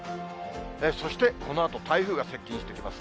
そして、このあと台風が接近してきます。